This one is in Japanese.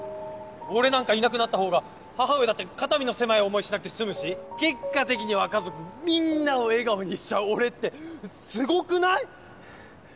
俺なんかいなくなったほうが母上だって肩身の狭い思いしなくて済むし結果的には家族みんなを笑顔にしちゃう俺ってすごくない？